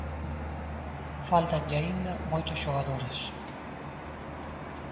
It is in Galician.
Fáltanlle aínda moitos xogadores.